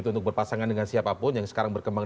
untuk berpasangan dengan siapapun yang sekarang berkembang